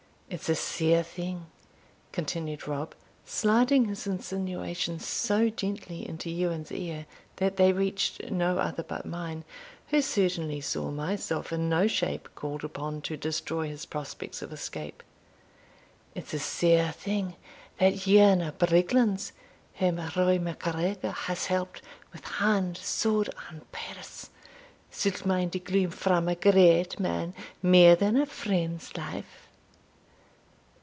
"It's a sair thing," continued Rob, sliding his insinuations so gently into Ewan's ear that they reached no other but mine, who certainly saw myself in no shape called upon to destroy his prospects of escape "It's a sair thing, that Ewan of Brigglands, whom Roy MacGregor has helped with hand, sword, and purse, suld mind a gloom from a great man mair than a friend's life."